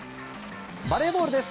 バレーボールです。